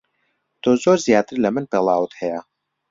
تۆ زۆر زیاتر لە من پێڵاوت ھەیە.